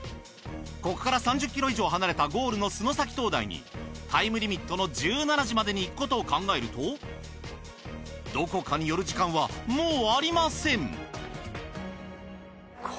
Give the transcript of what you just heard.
ここから３０ｋｍ以上離れたゴールの洲埼灯台にタイムリミットの１７時までに行くことを考えるとどこかに寄る時間はもうありません。